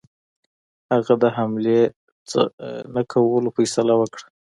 هغه د حملې نه کولو فیصله وکړه.